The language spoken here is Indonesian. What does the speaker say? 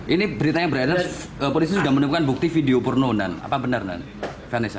ini beritanya beredar polisi sudah menemukan bukti video porno dan apa benar vanessa